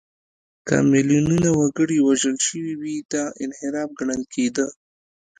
که میلیونونه وګړي وژل شوي وي، دا انحراف ګڼل کېده.